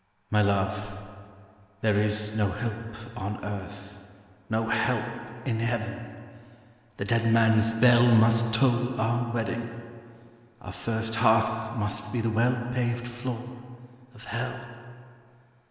'My love, there is no help on earth, No help in heaven; the dead man's bell Must toll our wedding; our first hearth Must be the well paved floor of hell.'